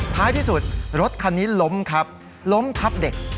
ท้ายที่สุดรถคันนี้ล้มครับล้มทับเด็ก